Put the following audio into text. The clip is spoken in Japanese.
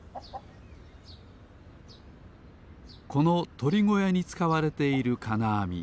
このとりごやにつかわれているかなあみ